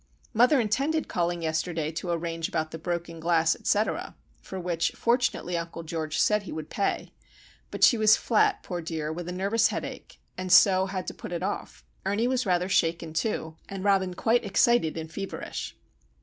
Mother intended calling yesterday, to arrange about the broken glass, etc.,—for which, fortunately, Uncle George said he would pay,—but she was flat, poor dear, with a nervous headache, and so had to put it off. Ernie was rather shaken, too, and Robin quite excited and feverish.